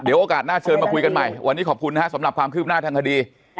เดี๋ยวโอกาสหน้าเชิญมาคุยกันใหม่วันนี้ขอบคุณนะฮะสำหรับความคืบหน้าทางคดี